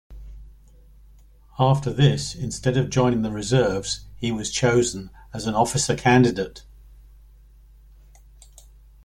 After this, instead of joining the reserves, he was chosen as an officer candidate.